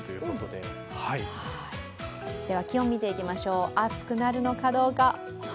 では、気温見ていきましょう、暑くなるのかどうか。